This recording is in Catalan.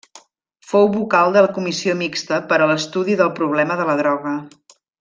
Fou vocal de la Comissió Mixta per a l'Estudi del Problema de la Droga.